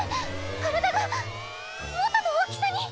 体が元の大きさに。